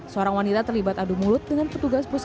seorang wanita terlibat adu mulut dengan petugas puskesmas tetap